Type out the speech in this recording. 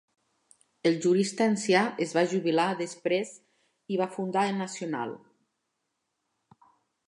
El jurista ancià es va jubilar desprès i va fundar "El Nacional".